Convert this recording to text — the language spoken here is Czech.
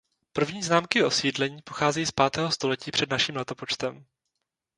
První známky osídlení pocházejí z pátého století před našim letopočtem.